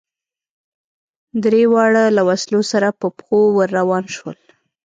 درېواړه له وسلو سره په پښو ور روان شول.